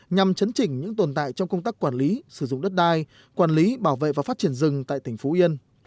nhằm chấn chỉnh những tồn tại trong công tác quản lý sử dụng đất đai quản lý bảo vệ và phát triển rừng tại tỉnh phú yên